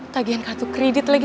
tagihan kartu kredit lagi